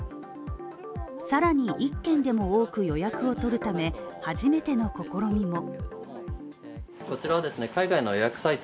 更に１件でも多く予約を取るため初めての試みを。